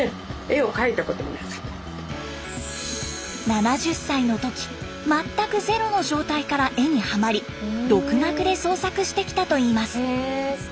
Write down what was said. ７０歳の時全くゼロの状態から絵にハマり独学で創作してきたといいます。